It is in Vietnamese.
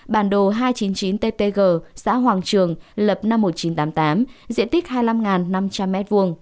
bản đồ hai trăm chín mươi chín ttg xã hoàng trường lập năm một nghìn chín trăm tám mươi tám diện tích hai mươi năm năm trăm linh m hai